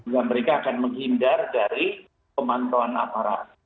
dan mereka akan menghindar dari pemantauan aparat